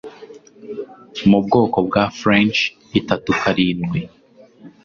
mu bwoko bwa French 'itatu karindwi